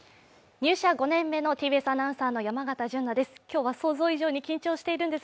入社５年目のＴＢＳアナウンサーの山形純菜です。